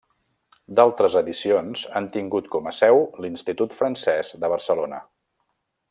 D'altres edicions han tingut com a seu l'Institut Francès de Barcelona.